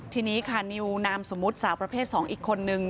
ทีนี้ค่ะนิวน้ำสมุดสาวประเภทสองอีกคนนึง